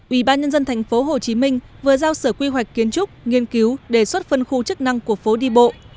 ủy ban nhân dân tp hcm vừa giao sở quy hoạch kiến trúc nghiên cứu đề xuất phân khu chức năng của phố đi bộ